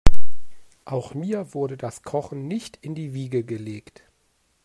Auch mir wurde das Kochen nicht in die Wiege gelegt.